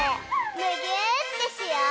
むぎゅーってしよう！